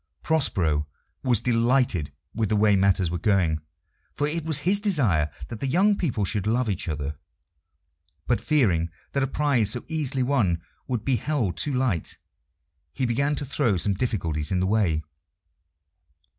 Prospero was delighted with the way matters were going, for it was his desire that the young people should love each other; but fearing that a prize so easily won would be held too light, he began to throw some difficulties in the way.